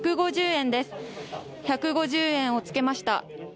１５０円をつけました。